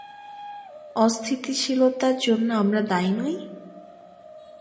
অস্থিতিশীলতার জন্য আমরা দায়ী নই?